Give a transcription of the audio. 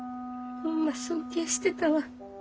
ホンマ尊敬してたわ。